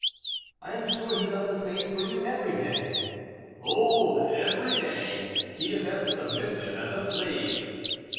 "I am sure he does the same for you every day." "Oh! every day. He is as submissive as a slave."